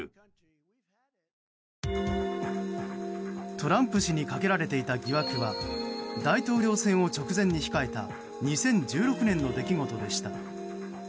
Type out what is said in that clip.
トランプ氏にかけられていた疑惑は大統領選を直前に控えた２０１６年の出来事でした。